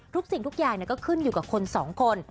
สิ่งทุกอย่างก็ขึ้นอยู่กับคนสองคน